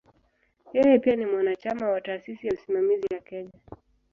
Yeye pia ni mwanachama wa "Taasisi ya Usimamizi ya Kenya".